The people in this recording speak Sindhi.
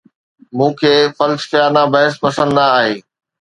مون کي فلسفيانه بحث پسند نه آهي